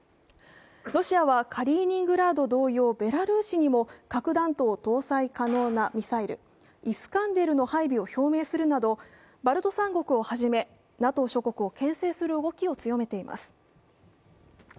ロシアはカリーニングラード同様、ベラルーシにも核弾頭搭載可能なミサイル、イスカンデルの配備を表明するなど、バルト三国をはじめＮＡＴＯ諸国を牽制する動きを強めています。